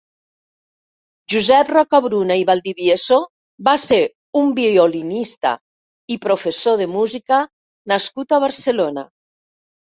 Josep Rocabruna i Valdivieso va ser un violinista i professor de música nascut a Barcelona.